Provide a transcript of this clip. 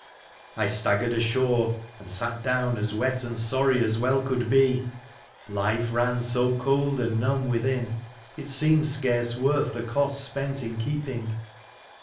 I staggered ashore, and sat down as wet and sorry as well could be. Life ran so cold and numb within, it seemed scarce worth the cost spent in keeping.